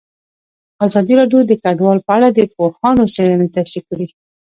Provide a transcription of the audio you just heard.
ازادي راډیو د کډوال په اړه د پوهانو څېړنې تشریح کړې.